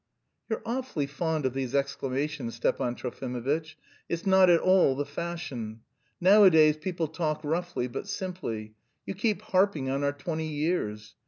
"You're awfully fond of these exclamations, Stepan Trofimovitch. It's not at all the fashion. Nowadays people talk roughly but simply. You keep harping on our twenty years!